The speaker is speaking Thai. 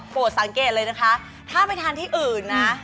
สังเกตเลยนะคะถ้าไปทานที่อื่นนะ